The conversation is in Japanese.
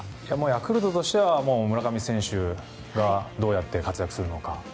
ヤクルトとしては村上選手がどうやって活躍するのか。